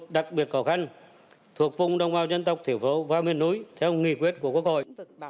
đặc biệt khó khăn thuộc vùng đồng bào dân tộc thiểu vo và miền núi theo nghị quyết của quốc hội